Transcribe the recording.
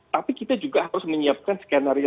tapi kita juga harus menyiapkan skenario